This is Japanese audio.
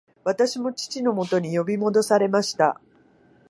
私も父のもとに呼び戻されました